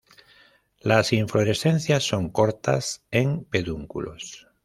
Las inflorescencias son cortas, en pedúnculos.